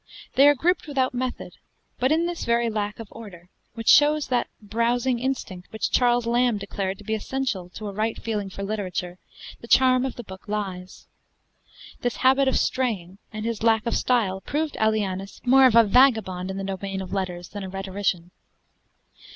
They are grouped without method; but in this very lack of order which shows that "browsing" instinct which Charles Lamb declared to be essential to a right feeling for literature the charm of the book lies. This habit of straying, and his lack of style, prove Aelianus more of a vagabond in the domain of letters than a rhetorician.